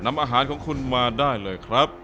นำอาหารของคุณมาได้เลยครับ